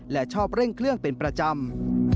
และชอบเร่งเครื่องเป็นประจำ